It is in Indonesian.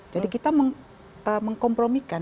jadi kita mengkompromikan